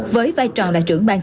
với vai trò là trưởng bài viết